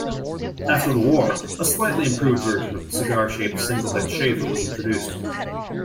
After the war, a slightly improved version of the cigar-shaped single-head shaver was introduced.